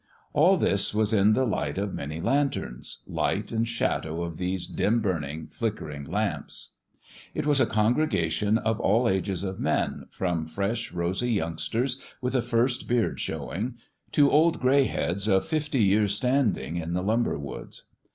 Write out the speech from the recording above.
All this was in the light of many lanterns light and shadow of these dim burning, flickering lamps. It was a congregation of all ages of men, from fresh, rosy youngsters, with a first beard show ing, to old gray heads, of fifty years' standing in the lumber woods.